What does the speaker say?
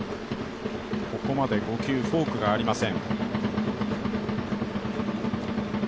ここまで５球、フォークがありません。